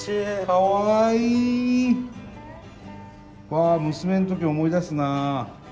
わ娘の時思い出すな。